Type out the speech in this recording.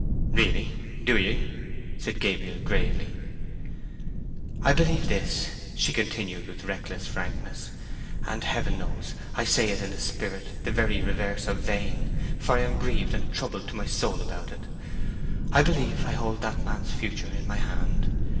"Really, do ye?" said Gabriel, gravely. "I believe this," she continued, with reckless frankness; "and Heaven knows I say it in a spirit the very reverse of vain, for I am grieved and troubled to my soul about it—I believe I hold that man's future in my hand.